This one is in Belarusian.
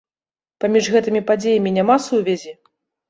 Паміж гэтымі падзеямі няма сувязі?